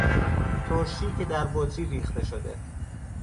ترشی که در بطری ریخته شده